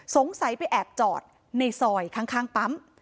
สงสัยไปแอบจอดในซอยข้างปั๊ม